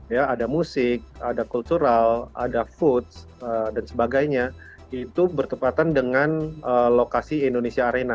ya ada musik ada kultural ada foods dan sebagainya itu bertepatan dengan lokasi indonesia arena